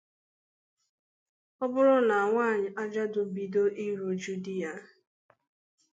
ọ bụrụ na nwaanyị ajadụ bido iru uju di ya